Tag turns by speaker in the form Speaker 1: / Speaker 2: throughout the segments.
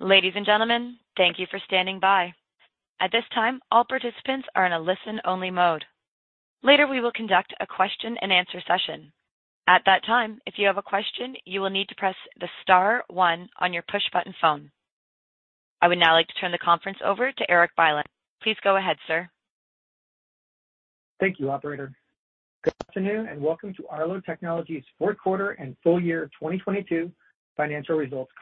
Speaker 1: Ladies and gentlemen, thank you for standing by. At this time, all participants are in a listen-only mode. Later, we will conduct a question-and-answer session. At that time, if you have a question, you will need to press the star one on your push-button phone. I would now like to turn the conference over to Erik Bylin. Please go ahead, sir.
Speaker 2: Thank you, operator. Good afternoon, welcome to Arlo Technologies' fourth quarter and full year 2022 financial results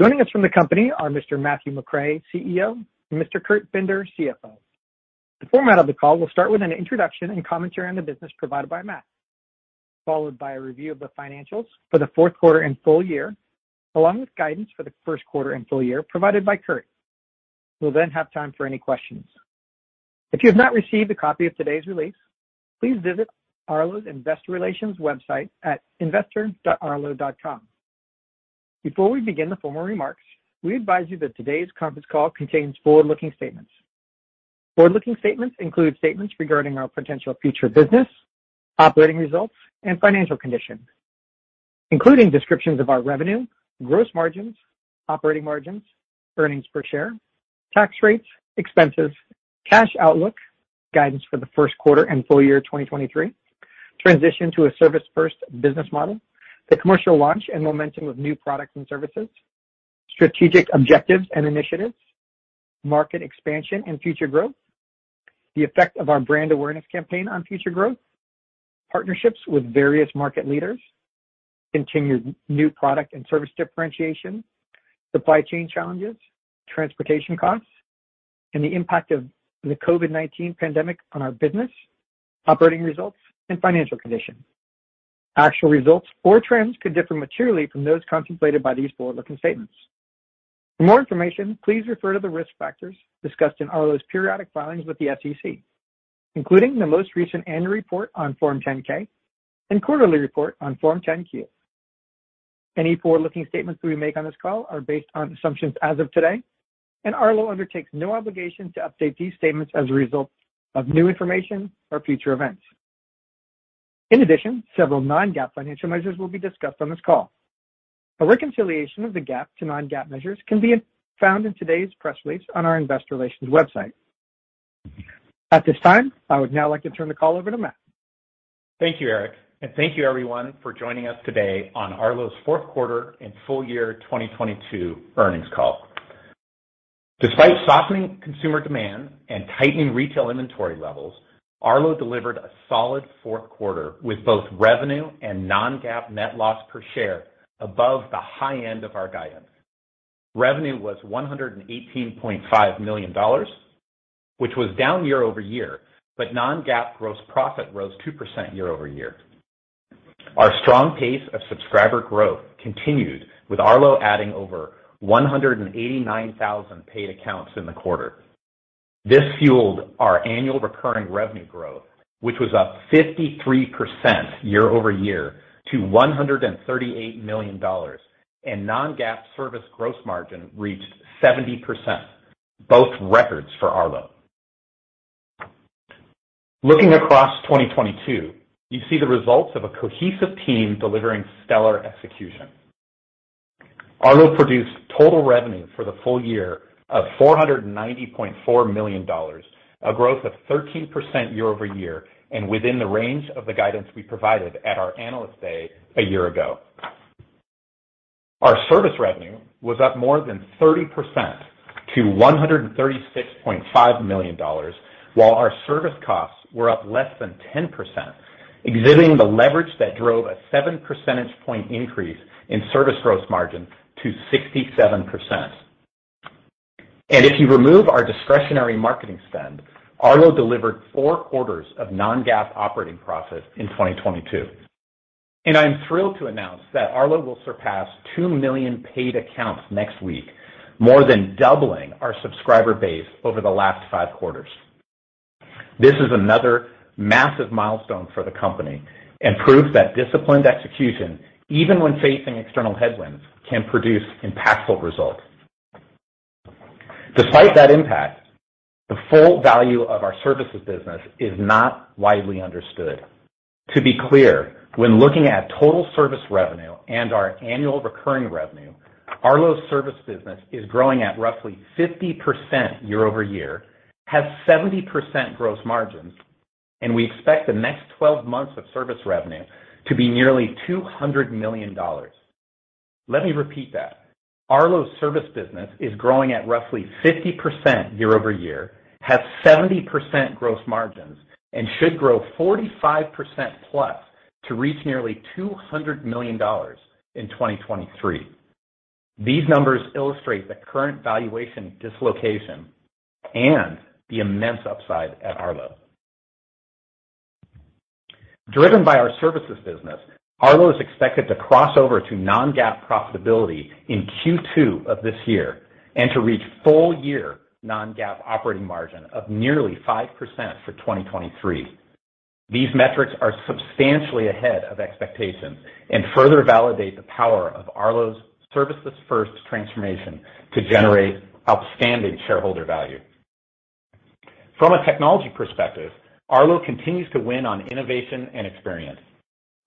Speaker 2: conference call. Joining us from the company are Mr. Matthew McRae, CEO, and Mr. Kurt Binder, CFO. The format of the call will start with an introduction and commentary on the business provided by Matt, followed by a review of the financials for the fourth quarter and full year, along with guidance for the first quarter and full year provided by Kurt. We'll then have time for any questions. If you have not received a copy of today's release, please visit Arlo's Investor Relations website at investor.arlo.com. Before we begin the formal remarks, we advise you that today's conference call contains forward-looking statements. Forward-looking statements include statements regarding our potential future business, operating results, and financial conditions, including descriptions of our revenue, gross margins, operating margins, earnings per share, tax rates, expenses, cash outlook, guidance for the first quarter and full year 2023, transition to a service first business model, the commercial launch and momentum of new products and services, strategic objectives and initiatives, market expansion and future growth, the effect of our brand awareness campaign on future growth, partnerships with various market leaders, continued new product and service differentiation, supply chain challenges, transportation costs, and the impact of the COVID-19 pandemic on our business, operating results, and financial condition. Actual results or trends could differ materially from those contemplated by these forward-looking statements. For more information, please refer to the risk factors discussed in Arlo's periodic filings with the SEC, including the most recent annual report on Form 10-K and quarterly report on Form 10-Q. Any forward-looking statements we make on this call are based on assumptions as of today, and Arlo undertakes no obligation to update these statements as a result of new information or future events. In addition, several non-GAAP financial measures will be discussed on this call. A reconciliation of the GAAP to non-GAAP measures can be found in today's press release on our Investor Relations website. At this time, I would now like to turn the call over to Matt.
Speaker 3: Thank you, Erik, and thank you, everyone, for joining us today on Arlo's fourth quarter and full year 2022 earnings call. Despite softening consumer demand and tightening retail inventory levels, Arlo delivered a solid fourth quarter with both revenue and non-GAAP net loss per share above the high end of our guidance. Revenue was $118.5 million, which was down year-over-year, but non-GAAP gross profit rose 2% year-over-year. Our strong pace of subscriber growth continued, with Arlo adding over 189,000 paid accounts in the quarter. This fueled our annual recurring revenue growth, which was up 53% year-over-year to $138 million. Non-GAAP service gross margin reached 70%, both records for Arlo. Looking across 2022, you see the results of a cohesive team delivering stellar execution. Arlo produced total revenue for the full year of $490.4 million, a growth of 13% year-over-year and within the range of the guidance we provided at our Analyst Day a year ago. Our service revenue was up more than 30% to $136.5 million while our service costs were up less than 10%, exhibiting the leverage that drove a 7 percentage point increase in service gross margin to 67%. If you remove our discretionary marketing spend, Arlo delivered four quarters of non-GAAP operating profit in 2022. I'm thrilled to announce that Arlo will surpass 2 million paid accounts next week, more than doubling our subscriber base over the last five quarters. This is another massive milestone for the company and proof that disciplined execution, even when facing external headwinds, can produce impactful results. Despite that impact, the full value of our services business is not widely understood. To be clear, when looking at total service revenue and our annual recurring revenue, Arlo's service business is growing at roughly 50% year-over-year, has 70% gross margins, and we expect the next 12 months of service revenue to be nearly $200 million. Let me repeat that. Arlo's service business is growing at roughly 50% year-over-year, has 70% gross margins, and should grow 45%+ to reach nearly $200 million in 2023. These numbers illustrate the current valuation dislocation and the immense upside at Arlo. Driven by our services business, Arlo is expected to cross over to non-GAAP profitability in Q2 of this year and to reach full year non-GAAP operating margin of nearly 5% for 2023. These metrics are substantially ahead of expectations and further validate the power of Arlo's services-first transformation to generate outstanding shareholder value. From a technology perspective, Arlo continues to win on innovation and experience.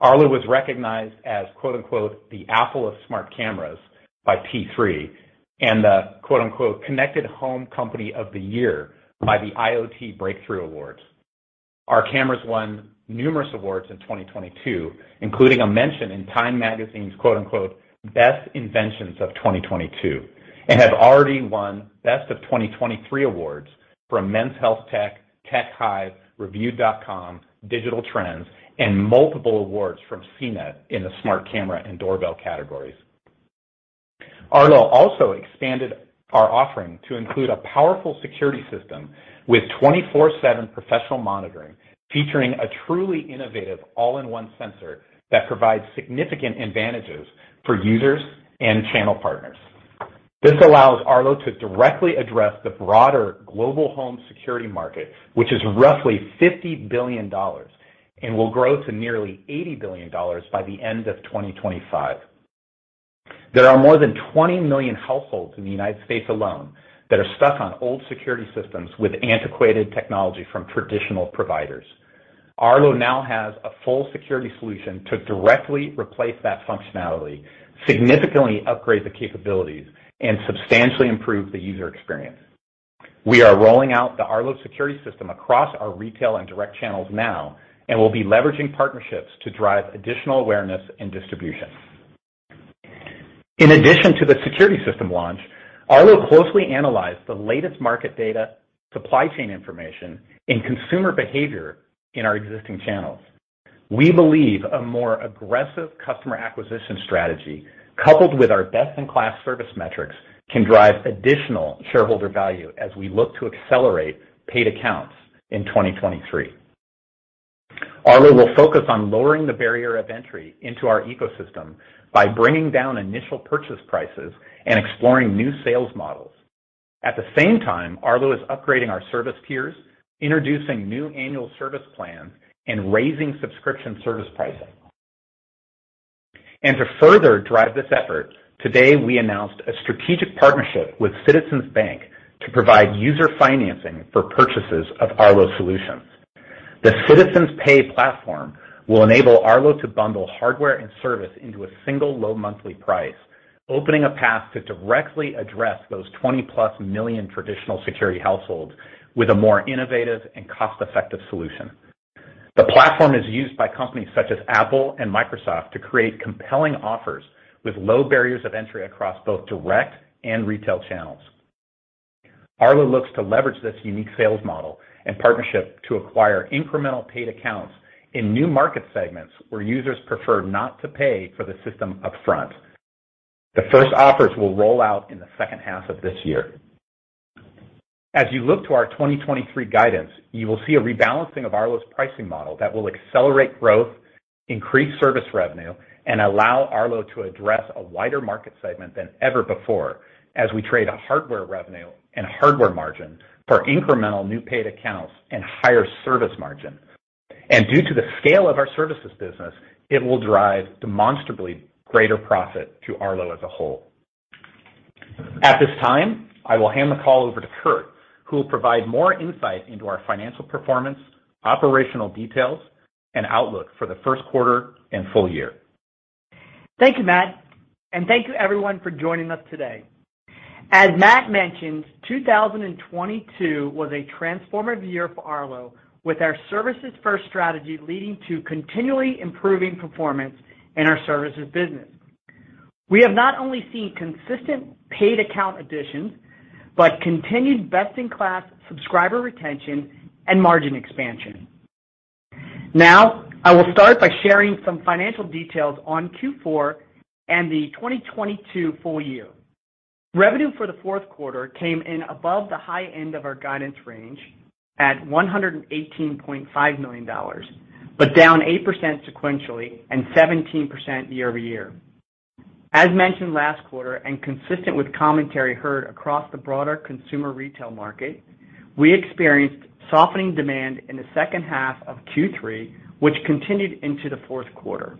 Speaker 3: Arlo was recognized as "The Apple of Smart Cameras" by P3 and "Connected Home Company of the Year" by the IoT Breakthrough Awards. Our cameras won numerous awards in 2022, including a mention in TIME Magazine's "Best inventions of 2022," and have already won best of 2023 awards from Men's Health Tech, TechHive, Reviewed.com, Digital Trends, and multiple awards from CNET in the smart camera and doorbell categories. Arlo also expanded our offering to include a powerful security system with 24/7 professional monitoring, featuring a truly innovative all-in-one sensor that provides significant advantages for users and channel partners. This allows Arlo to directly address the broader global home security market, which is roughly $50 billion and will grow to nearly $80 billion by the end of 2025. There are more than 20 million households in the United States alone that are stuck on old security systems with antiquated technology from traditional providers. Arlo now has a full security solution to directly replace that functionality, significantly upgrade the capabilities, and substantially improve the user experience. We are rolling out the Arlo security system across our retail and direct channels now and will be leveraging partnerships to drive additional awareness and distribution. In addition to the security system launch, Arlo closely analyzed the latest market data, supply chain information, and consumer behavior in our existing channels. We believe a more aggressive customer acquisition strategy, coupled with our best-in-class service metrics, can drive additional shareholder value as we look to accelerate paid accounts in 2023. Arlo will focus on lowering the barrier of entry into our ecosystem by bringing down initial purchase prices and exploring new sales models. At the same time, Arlo is upgrading our service tiers, introducing new annual service plans, and raising subscription service pricing. To further drive this effort, today we announced a strategic partnership with Citizens Bank to provide user financing for purchases of Arlo solutions. The Citizens Pay platform will enable Arlo to bundle hardware and service into a single low monthly price, opening a path to directly address those 20+ million traditional security households with a more innovative and cost-effective solution. The platform is used by companies such as Apple and Microsoft to create compelling offers with low barriers of entry across both direct and retail channels. Arlo looks to leverage this unique sales model and partnership to acquire incremental paid accounts in new market segments where users prefer not to pay for the system upfront. The first offers will roll out in the second half of this year. As you look to our 2023 guidance, you will see a rebalancing of Arlo's pricing model that will accelerate growth, increase service revenue, and allow Arlo to address a wider market segment than ever before as we trade a hardware revenue and hardware margin for incremental new paid accounts and higher service margin. Due to the scale of our services business, it will drive demonstrably greater profit to Arlo as a whole. At this time, I will hand the call over to Kurt, who will provide more insight into our financial performance, operational details, and outlook for the first quarter and full year.
Speaker 4: Thank you, Matt. Thank you everyone for joining us today. As Matt mentioned, 2022 was a transformative year for Arlo, with our services-first strategy leading to continually improving performance in our services business. We have not only seen consistent paid account additions, but continued best-in-class subscriber retention and margin expansion. Now, I will start by sharing some financial details on Q4 and the 2022 full year. Revenue for the fourth quarter came in above the high end of our guidance range at $118.5 million, but down 8% sequentially and 17% year-over-year. As mentioned last quarter and consistent with commentary heard across the broader consumer retail market, we experienced softening demand in the second half of Q3, which continued into the fourth quarter.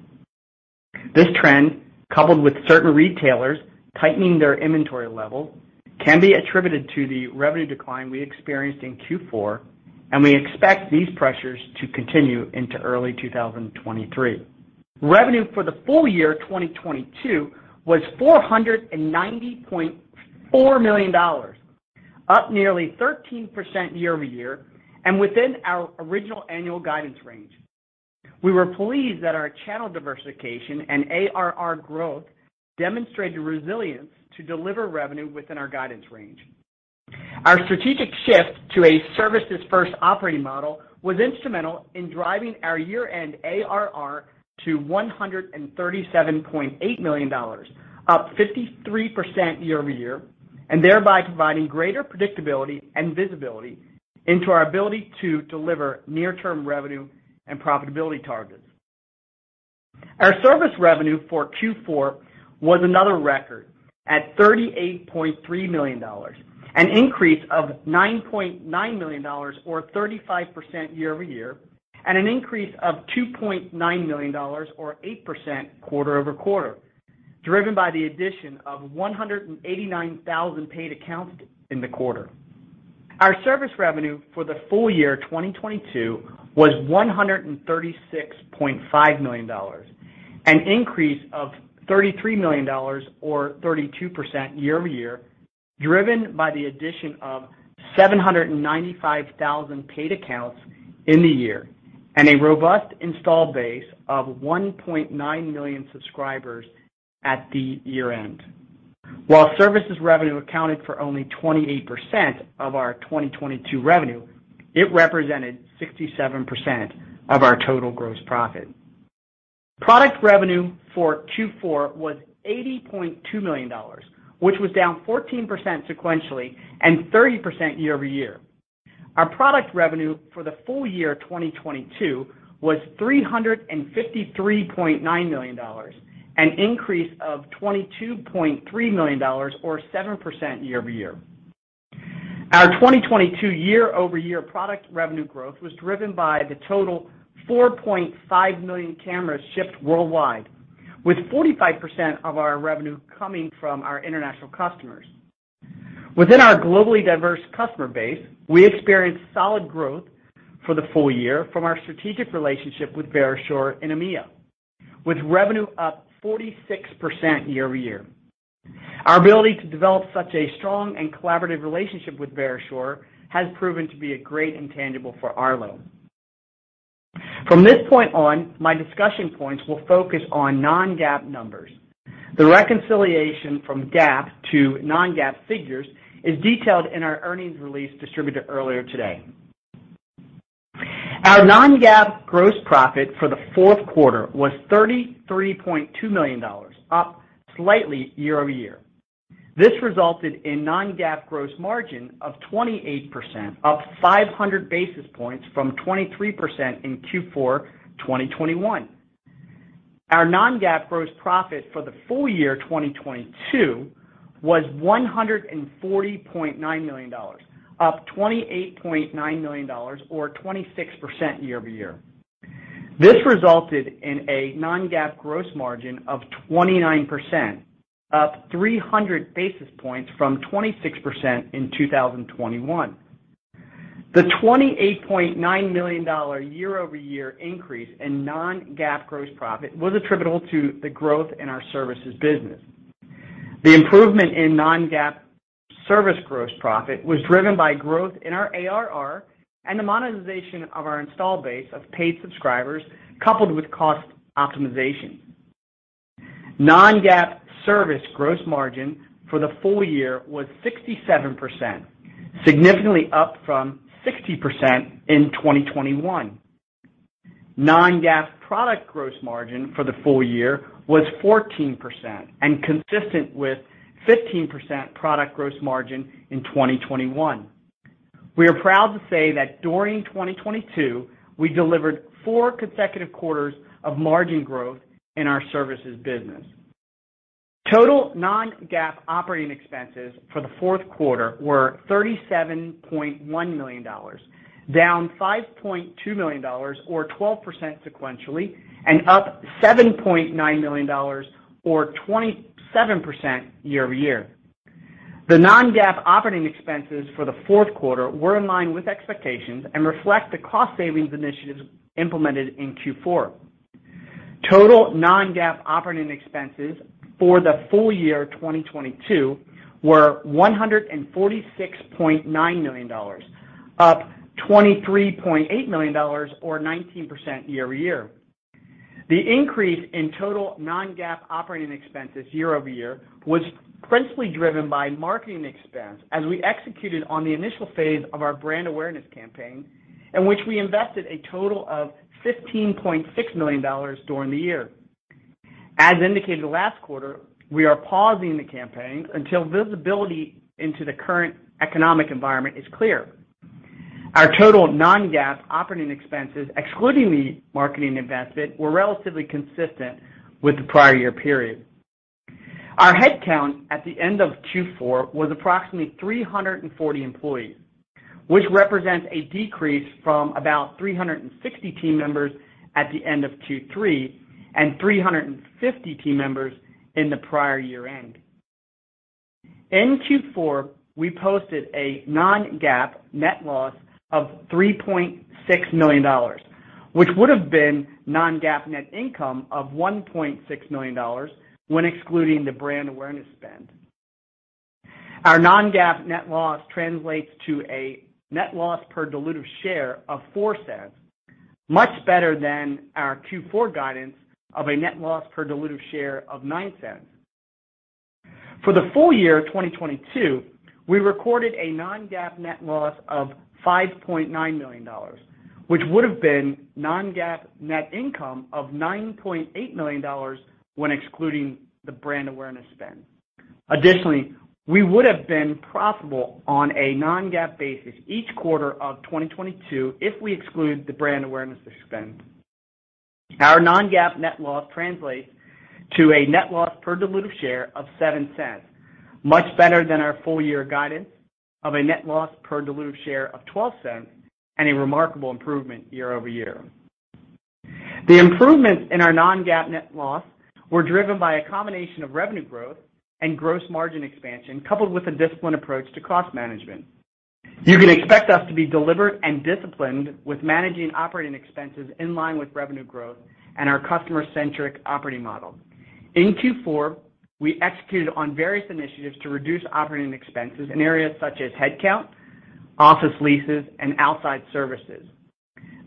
Speaker 4: This trend, coupled with certain retailers tightening their inventory level, can be attributed to the revenue decline we experienced in Q4. We expect these pressures to continue into early 2023. Revenue for the full year 2022 was $490.4 million, up nearly 13% year-over-year and within our original annual guidance range. We were pleased that our channel diversification and ARR growth demonstrated resilience to deliver revenue within our guidance range. Our strategic shift to a services-first operating model was instrumental in driving our year-end ARR to $137.8 million, up 53% year-over-year, thereby providing greater predictability and visibility into our ability to deliver near-term revenue and profitability targets. Our service revenue for Q4 was another record at $38.3 million, an increase of $9.9 million or 35% year-over-year, an increase of $2.9 million or 8% quarter-over-quarter. Driven by the addition of 189,000 paid accounts in the quarter. Our service revenue for the full year 2022 was $136.5 million, an increase of $33 million or 32% year-over-year, driven by the addition of 795,000 paid accounts in the year, and a robust installed base of 1.9 million subscribers at the year-end. While services revenue accounted for only 28% of our 2022 revenue, it represented 67% of our total gross profit. Product revenue for Q4 was $80.2 million, which was down 14% sequentially and 30% year-over-year. Our product revenue for the full year 2022 was $353.9 million, an increase of $22.3 million or 7% year-over-year. Our 2022 year-over-year product revenue growth was driven by the total 4.5 million cameras shipped worldwide, with 45% of our revenue coming from our international customers. Within our globally diverse customer base, we experienced solid growth for the full year from our strategic relationship with Verisure in EMEA, with revenue up 46% year-over-year. Our ability to develop such a strong and collaborative relationship with Verisure has proven to be a great intangible for Arlo. From this point on, my discussion points will focus on non-GAAP numbers. The reconciliation from GAAP to non-GAAP figures is detailed in our earnings release distributed earlier today. Our non-GAAP gross profit for the fourth quarter was $33.2 million, up slightly year-over-year. This resulted in non-GAAP gross margin of 28%, up 500 basis points from 23% in Q4 2021. Our non-GAAP gross profit for the full year 2022 was $140.9 million, up $28.9 million or 26% year-over-year. This resulted in a non-GAAP gross margin of 29%, up 300 basis points from 26% in 2021. The $28.9 million year-over-year increase in non-GAAP gross profit was attributable to the growth in our services business. The improvement in non-GAAP service gross profit was driven by growth in our ARR and the monetization of our installed base of paid subscribers, coupled with cost optimization. Non-GAAP service gross margin for the full year was 67%, significantly up from 60% in 2021. Non-GAAP product gross margin for the full year was 14% and consistent with 15% product gross margin in 2021. We are proud to say that during 2022, we delivered four consecutive quarters of margin growth in our services business. Total non-GAAP operating expenses for the fourth quarter were $37.1 million, down $5.2 million or 12% sequentially, and up $7.9 million or 27% year-over-year. The non-GAAP operating expenses for the fourth quarter were in line with expectations and reflect the cost savings initiatives implemented in Q4. Total non-GAAP operating expenses for the full year 2022 were $146.9 million, up $23.8 million or 19% year-over-year. The increase in total non-GAAP operating expenses year-over-year was principally driven by marketing expense as we executed on the initial phase of our brand awareness campaign, in which we invested a total of $15.6 million during the year. As indicated last quarter, we are pausing the campaign until visibility into the current economic environment is clear. Our total non-GAAP operating expenses, excluding the marketing investment, were relatively consistent with the prior year period. Our headcount at the end of Q4 was approximately 340 employees, which represents a decrease from about 360 team members at the end of Q3 and 350 team members in the prior year end. In Q4, we posted a non-GAAP net loss of $3.6 million, which would have been non-GAAP net income of $1.6 million when excluding the brand awareness spend. Our non-GAAP net loss translates to a net loss per dilutive share of $0.04, much better than our Q4 guidance of a net loss per dilutive share of $0.09. For the full year 2022, we recorded a non-GAAP net loss of $5.9 million, which would have been non-GAAP net income of $9.8 million when excluding the brand awareness spend. Additionally, we would have been profitable on a non-GAAP basis each quarter of 2022 if we exclude the brand awareness spend. Our non-GAAP net loss translates to a net loss per dilutive share of $0.07, much better than our full year guidance of a net loss per dilutive share of $0.12 and a remarkable improvement year-over-year. The improvement in our non-GAAP net loss were driven by a combination of revenue growth and gross margin expansion, coupled with a disciplined approach to cost management. You can expect us to be deliberate and disciplined with managing operating expenses in line with revenue growth and our customer-centric operating model. In Q4, we executed on various initiatives to reduce operating expenses in areas such as headcount, office leases, and outside services.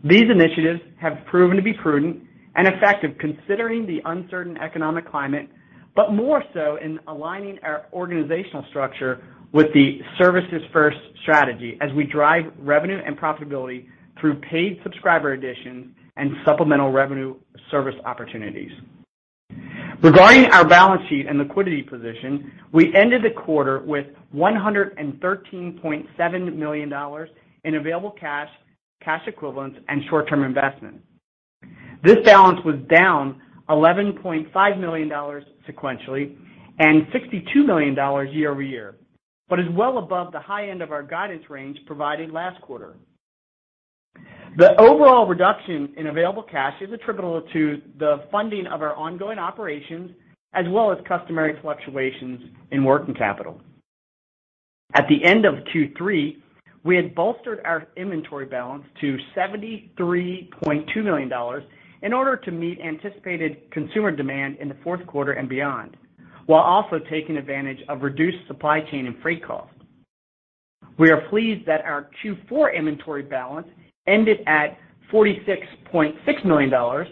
Speaker 4: These initiatives have proven to be prudent and effective considering the uncertain economic climate. More so in aligning our organizational structure with the services-first strategy as we drive revenue and profitability through paid subscriber additions and supplemental revenue service opportunities. Regarding our balance sheet and liquidity position, we ended the quarter with $113.7 million in available cash equivalents and short-term investments. This balance was down $11.5 million sequentially and $62 million year-over-year, Is well above the high end of our guidance range provided last quarter. The overall reduction in available cash is attributable to the funding of our ongoing operations as well as customary fluctuations in working capital. At the end of Q3, we had bolstered our inventory balance to $73.2 million in order to meet anticipated consumer demand in the fourth quarter and beyond, while also taking advantage of reduced supply chain and freight costs. We are pleased that our Q4 inventory balance ended at $46.6 million,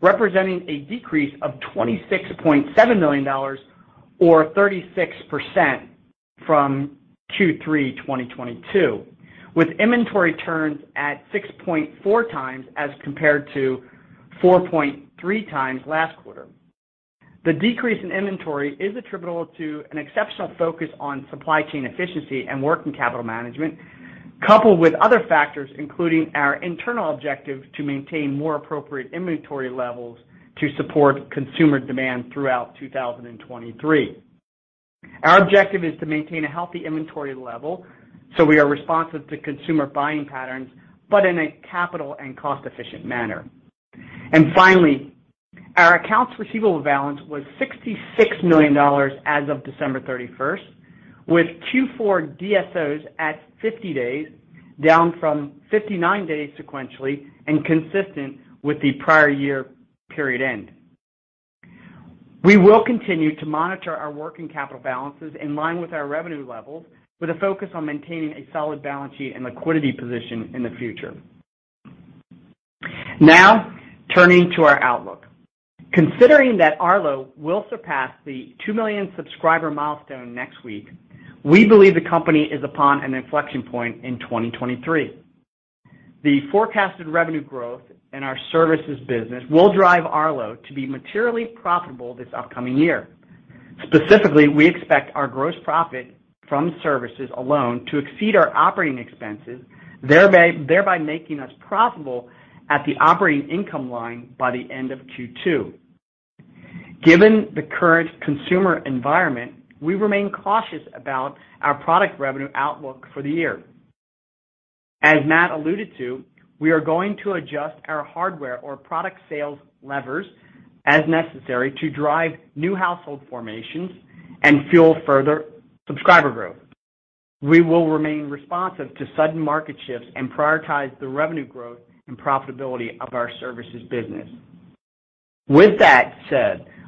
Speaker 4: representing a decrease of $26.7 million or 36% from Q3 2022, with inventory turns at 6.4 times as compared to 4.3 times last quarter. The decrease in inventory is attributable to an exceptional focus on supply chain efficiency and working capital management, coupled with other factors, including our internal objective to maintain more appropriate inventory levels to support consumer demand throughout 2023. Our objective is to maintain a healthy inventory level, so we are responsive to consumer buying patterns, but in a capital and cost-efficient manner. Finally, our accounts receivable balance was $66 million as of December 31st, with Q4 DSO at 50 days, down from 59 days sequentially and consistent with the prior year period end. We will continue to monitor our working capital balances in line with our revenue levels, with a focus on maintaining a solid balance sheet and liquidity position in the future. Now, turning to our outlook. Considering that Arlo will surpass the 2 million subscriber milestone next week, we believe the company is upon an inflection point in 2023. The forecasted revenue growth in our services business will drive Arlo to be materially profitable this upcoming year. Specifically, we expect our gross profit from services alone to exceed our operating expenses, thereby making us profitable at the operating income line by the end of Q2. Given the current consumer environment, we remain cautious about our product revenue outlook for the year. As Matt alluded to, we are going to adjust our hardware or product sales levers as necessary to drive new household formations and fuel further subscriber growth. We will remain responsive to sudden market shifts and prioritize the revenue growth and profitability of our services business.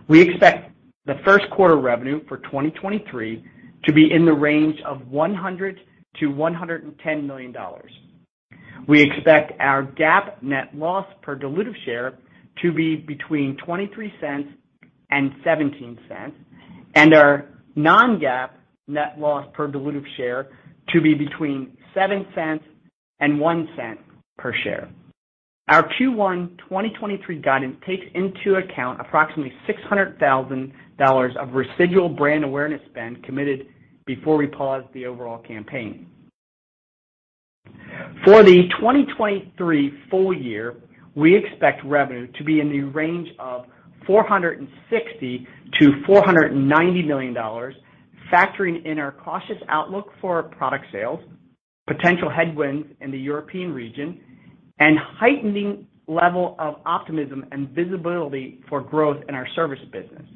Speaker 4: We expect the first quarter revenue for 2023 to be in the range of $100 million-$110 million. We expect our GAAP net loss per dilutive share to be between $0.23 and $0.17, and our non-GAAP net loss per dilutive share to be between $0.07 and $0.01 per share. Our Q1 2023 guidance takes into account approximately $600,000 of residual brand awareness spend committed before we paused the overall campaign. For the 2023 full year, we expect revenue to be in the range of $460 million-$490 million, factoring in our cautious outlook for product sales, potential headwinds in the European region, and heightening level of optimism and visibility for growth in our service business.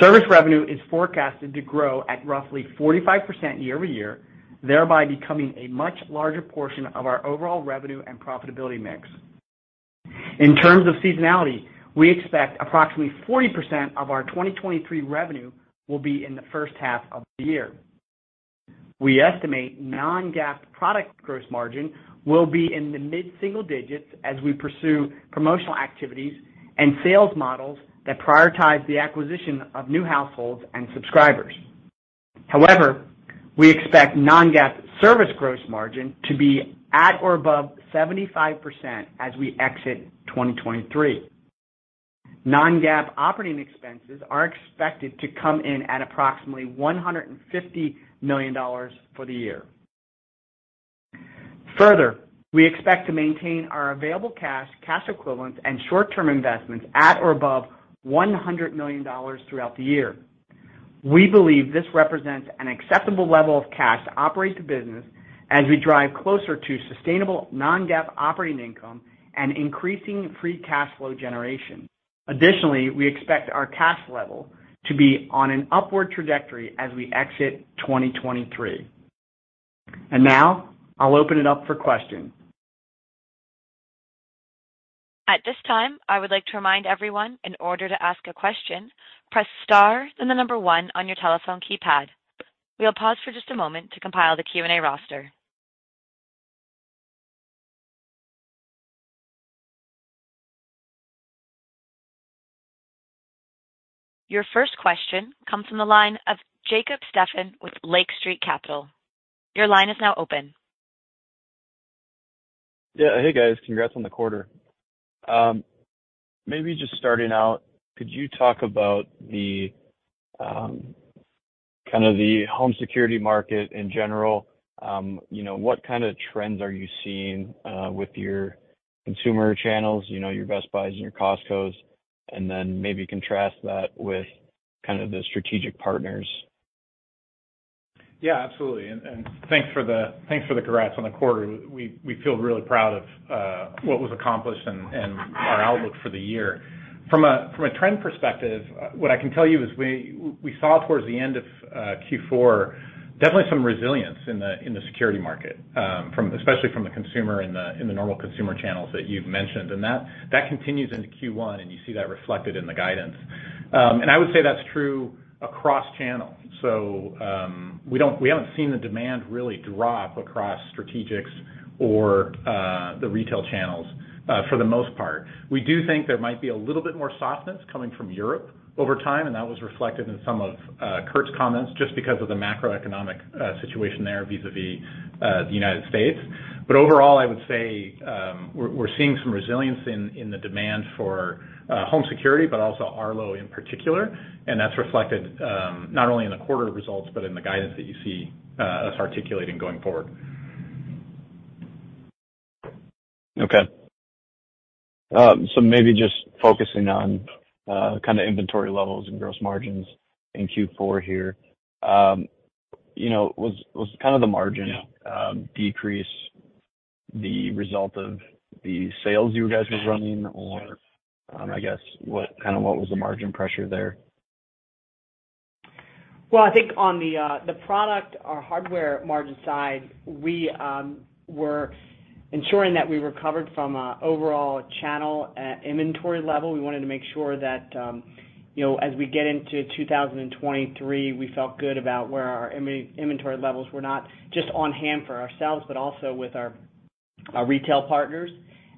Speaker 4: Service revenue is forecasted to grow at roughly 45% year-over-year, thereby becoming a much larger portion of our overall revenue and profitability mix. In terms of seasonality, we expect approximately 40% of our 2023 revenue will be in the first half of the year. We estimate non-GAAP product gross margin will be in the mid-single digits as we pursue promotional activities and sales models that prioritize the acquisition of new households and subscribers. However, we expect non-GAAP service gross margin to be at or above 75% as we exit 2023. Non-GAAP operating expenses are expected to come in at approximately $150 million for the year. Further, we expect to maintain our available cash, cash equivalents, and short-term investments at or above $100 million throughout the year. We believe this represents an acceptable level of cash to operate the business as we drive closer to sustainable non-GAAP operating income and increasing free cash flow generation. Additionally, we expect our cash level to be on an upward trajectory as we exit 2023. Now, I'll open it up for questions.
Speaker 1: At this time, I would like to remind everyone in order to ask a question, press star, then the number one on your telephone keypad. We'll pause for just a moment to compile the Q&A roster. Your first question comes from the line of Jaeson Schmidt with Lake Street Capital. Your line is now open.
Speaker 5: Yeah. Hey, guys. Congrats on the quarter. Maybe just starting out, could you talk about the kind of the home security market in general? You know, what kind of trends are you seeing with your consumer channels, you know, your Best Buys and your Costcos, then maybe contrast that with kind of the strategic partners?
Speaker 3: Yeah, absolutely. Thanks for the congrats on the quarter. We feel really proud of what was accomplished and our outlook for the year. From a trend perspective, what I can tell you is we saw towards the end of Q4 definitely some resilience in the security market, especially from the consumer in the normal consumer channels that you've mentioned. That continues into Q1, and you see that reflected in the guidance. I would say that's true across channels. We haven't seen the demand really drop across strategics or the retail channels for the most part. We do think there might be a little bit more softness coming from Europe over time, and that was reflected in some of Kurt's comments, just because of the macroeconomic situation there vis-à-vis the United States. Overall, I would say, we're seeing some resilience in the demand for home security, but also Arlo in particular. That's reflected not only in the quarter results, but in the guidance that you see us articulating going forward.
Speaker 5: Okay. Maybe just focusing on kind of inventory levels and gross margins in Q4 here, you know, was kind of the margin decrease the result of the sales you guys was running or, I guess, what, kind of what was the margin pressure there?
Speaker 4: Well, I think on the product or hardware margin side, we were ensuring that we recovered from a overall channel inventory level. We wanted to make sure that, you know, as we get into 2023, we felt good about where our inventory levels were not just on hand for ourselves, but also with our retail partners.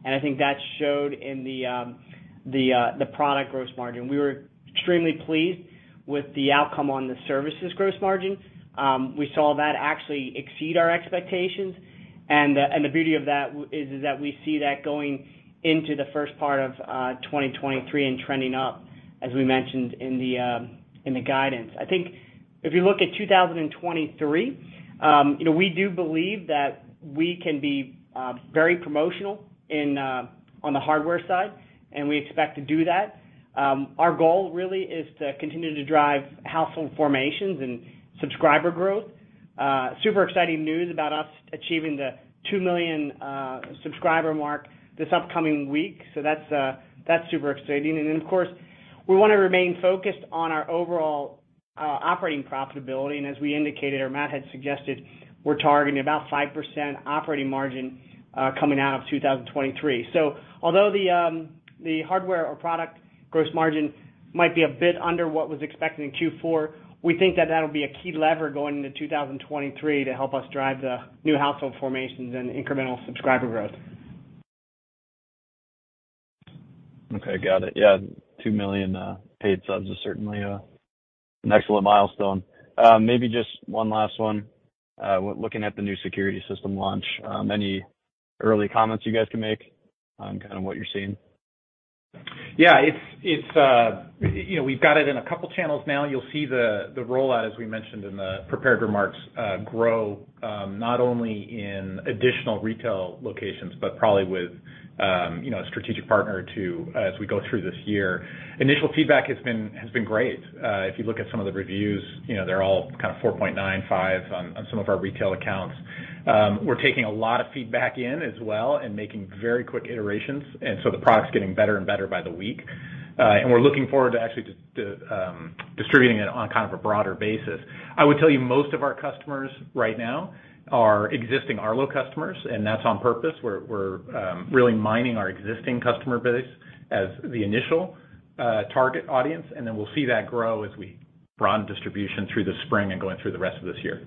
Speaker 4: I think that showed in the product gross margin. We were extremely pleased with the outcome on the services' gross margin. We saw that actually exceed our expectations. The beauty of that is that we see that going into the first part of 2023 and trending up, as we mentioned in the guidance. I think if you look at 2023, you know, we do believe that we can be very promotional on the hardware side. We expect to do that. Our goal really is to continue to drive household formations and subscriber growth. Super exciting news about us achieving the 2 million subscriber mark this upcoming week. That's super exciting. Of course, we wanna remain focused on our overall operating profitability. As we indicated or Matt had suggested, we're targeting about 5% operating margin coming out of 2023. Although the hardware or product gross margin might be a bit under what was expected in Q4, we think that that'll be a key lever going into 2023 to help us drive the new household formations and incremental subscriber growth.
Speaker 5: Okay, got it. Yeah, 2 million paid subs is certainly an excellent milestone. Maybe just one last one. Looking at the new security system launch, any early comments you guys can make on kind of what you're seeing?
Speaker 3: Yeah. It's, you know, we've got it in a couple of channels now. You'll see the rollout, as we mentioned in the prepared remarks, grow, not only in additional retail locations, but probably with, you know, a strategic partner or two as we go through this year. Initial feedback has been great. If you look at some of the reviews, you know, they're all kind of 4.95 on some of our retail accounts. We're taking a lot of feedback in as well and making very quick iterations, and so the product's getting better and better by the week. We're looking forward to actually distributing it on kind of a broader basis. I would tell you most of our customers right now are existing Arlo customers, and that's on purpose. We're really mining our existing customer base as the initial target audience, then we'll see that grow as we broaden distribution through the spring and going through the rest of this year.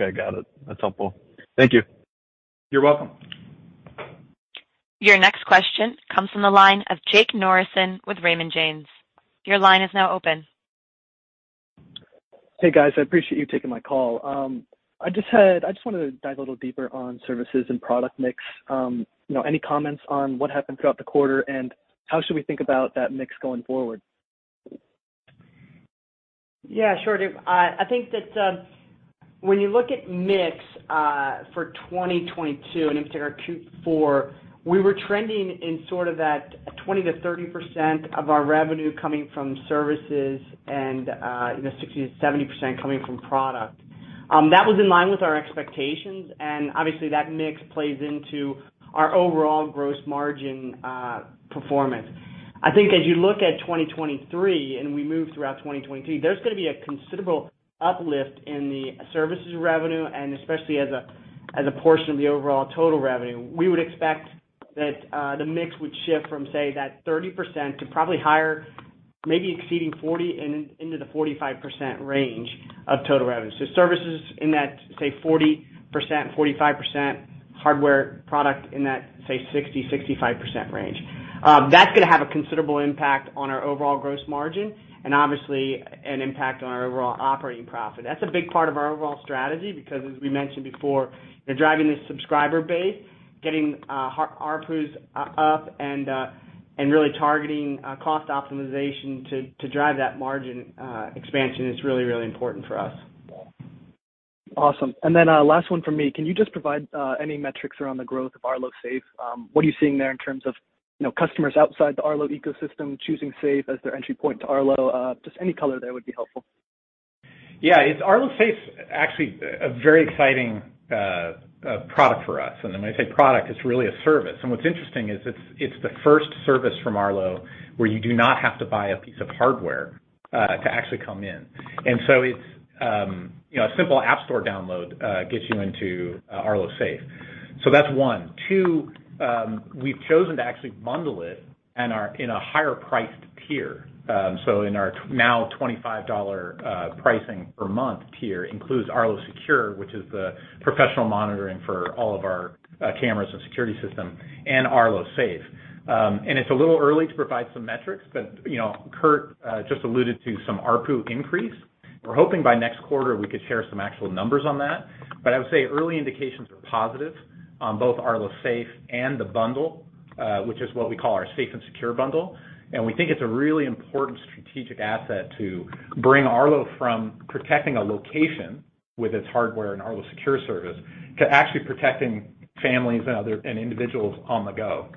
Speaker 5: Okay, got it. That's helpful. Thank you.
Speaker 3: You're welcome.
Speaker 1: Your next question comes from the line of Jake Norrison with Raymond James. Your line is now open.
Speaker 6: Hey, guys. I appreciate you taking my call. I just wanted to dive a little deeper on services and product mix. You know, any comments on what happened throughout the quarter? How should we think about that mix going forward?
Speaker 4: Yeah, sure, Jake. I think that when you look at mix for 2022 and into our Q4, we were trending in sort of that 20%-30% of our revenue coming from services and, you know, 60%-70% coming from product. That was in line with our expectations, and obviously, that mix plays into our overall gross margin performance. I think as you look at 2023, and we move throughout 2023, there's gonna be a considerable uplift in the services revenue, and especially as a portion of the overall total revenue. We would expect that the mix would shift from, say, that 30% to probably higher, maybe exceeding 40% and into the 45% range of total revenue. Services in that, say, 40%-45%, hardware product in that, say, 60%-65% range. That's gonna have a considerable impact on our overall gross margin and obviously an impact on our overall operating profit. That's a big part of our overall strategy because as we mentioned before, you know, driving the subscriber base, getting ARPU up and really targeting cost optimization to drive that margin expansion is really, really important for us.
Speaker 6: Awesome. Last one from me. Can you just provide any metrics around the growth of Arlo Safe? What are you seeing there in terms of, you know, customers outside the Arlo ecosystem choosing Safe as their entry point to Arlo? Just any color there would be helpful.
Speaker 3: Yeah. Arlo Safe's actually a very exciting product for us. When I say product, it's really a service. What's interesting is it's the first service from Arlo where you do not have to buy a piece of hardware to actually come in. It's, you know, a simple App Store download gets you into Arlo Safe. That's one. Two, we've chosen to actually bundle it and are in a higher priced tier. In our now $25 pricing per month tier includes Arlo Secure, which is the professional monitoring for all of our cameras and security system and Arlo Safe. It's a little early to provide some metrics, but, you know, Kurt just alluded to some ARPU increase. We're hoping by next quarter we could share some actual numbers on that. I would say early indications are positive on both Arlo Safe and the bundle, which is what we call our Safe and Secure bundle. We think it's a really important strategic asset to bring Arlo from protecting a location with its hardware and Arlo Secure service to actually protecting families and individuals on the go.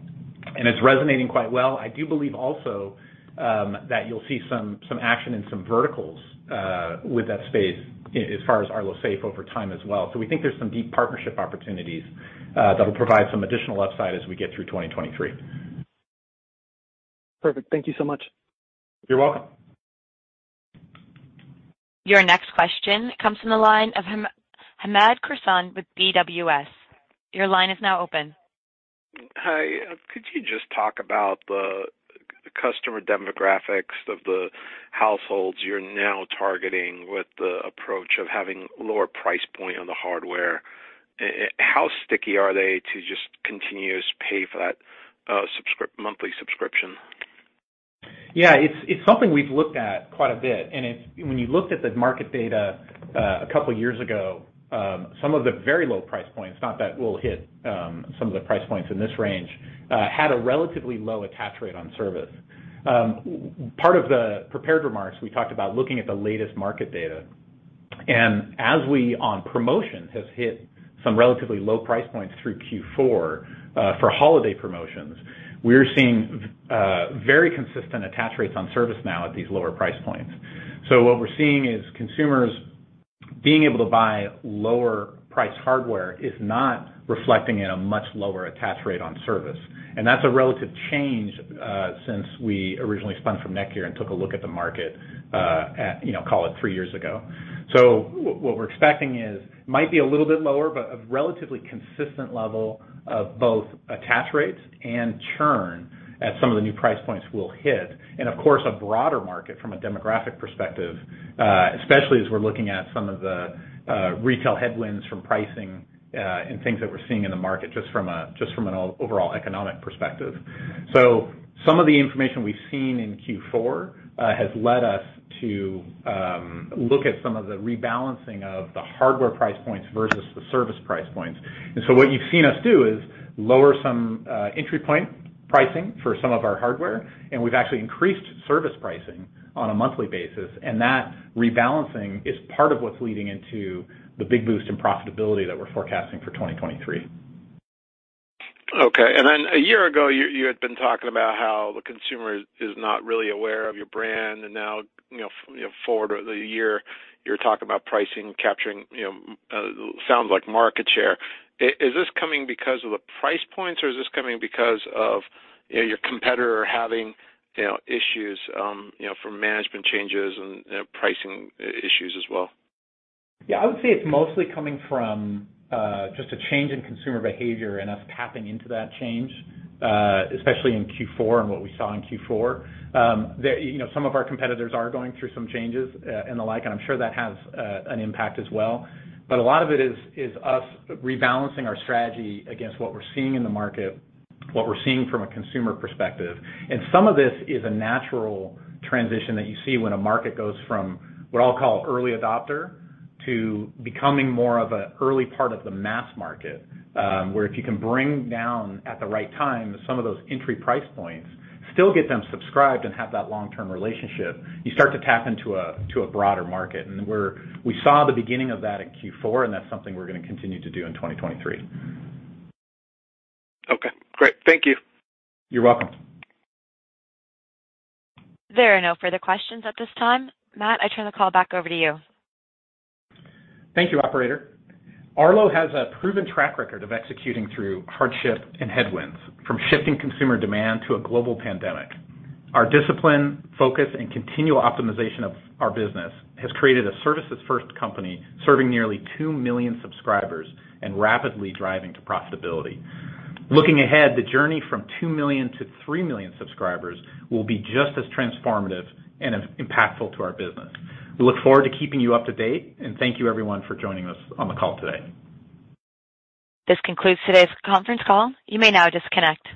Speaker 3: It's resonating quite well. I do believe also, that you'll see some action in some verticals, with that space as far as Arlo Safe over time as well. We think there's some deep partnership opportunities, that'll provide some additional upside as we get through 2023.
Speaker 6: Perfect. Thank you so much.
Speaker 3: You're welcome.
Speaker 1: Your next question comes from the line of Hamed Khorsand with BWS. Your line is now open.
Speaker 7: Hi. Could you just talk about the customer demographics of the households you're now targeting with the approach of having lower price point on the hardware? How sticky are they to just continuous pay for that, monthly subscription?
Speaker 3: Yeah. It's, it's something we've looked at quite a bit, when you looked at the market data, a couple years ago, some of the very low price points, not that we'll hit, some of the price points in this range, had a relatively low attach rate on service. Part of the prepared remarks, we talked about looking at the latest market data. As we, on promotions, have hit some relatively low price points through Q4, for holiday promotions, we're seeing, very consistent attach rates on service now at these lower price points. What we're seeing is consumers being able to buy lower priced hardware is not reflecting in a much lower attach rate on service. That's a relative change, since we originally spun from Netgear and took a look at the market, at, you know, call it three years ago. What we're expecting is might be a little bit lower, but a relatively consistent level of both attach rates and churn at some of the new price points we'll hit. Of course, a broader market from a demographic perspective, especially as we're looking at some of the retail headwinds from pricing, and things that we're seeing in the market just from an overall economic perspective. Some of the information we've seen in Q4 has led us to look at some of the rebalancing of the hardware price points versus the service price points. What you've seen us do is lower some entry point pricing for some of our hardware, and we've actually increased service pricing on a monthly basis. That rebalancing is part of what's leading into the big boost in profitability that we're forecasting for 2023.
Speaker 7: Okay. Then a year ago, you had been talking about how the consumer is not really aware of your brand, and now, you know, forward a year, you're talking about pricing, capturing, you know, sounds like market share. Is this coming because of the price points, or is this coming because of, you know, your competitor having, you know, issues, you know, from management changes and, you know, pricing issues as well?
Speaker 3: I would say it's mostly coming from just a change in consumer behavior and us tapping into that change, especially in Q4 and what we saw in Q4. They, you know, some of our competitors are going through some changes, and the like, and I'm sure that has an impact as well. A lot of it is us rebalancing our strategy against what we're seeing in the market, what we're seeing from a consumer perspective. Some of this is a natural transition that you see when a market goes from what I'll call early adopter to becoming more of an early part of the mass market, where if you can bring down at the right time some of those entry price points, still get them subscribed and have that long-term relationship, you start to tap into a broader market. We saw the beginning of that in Q4, and that's something we're gonna continue to do in 2023.
Speaker 7: Okay, great. Thank you.
Speaker 3: You're welcome.
Speaker 1: There are no further questions at this time. Matt, I turn the call back over to you.
Speaker 3: Thank you, operator. Arlo has a proven track record of executing through hardship and headwinds, from shifting consumer demand to a global pandemic. Our discipline, focus, and continual optimization of our business has created a services-first company serving nearly 2 million subscribers and rapidly driving to profitability. Looking ahead, the journey from 2 million to 3 million subscribers will be just as transformative and impactful to our business. Thank you everyone for joining us on the call today.
Speaker 1: This concludes today's conference call. You may now disconnect.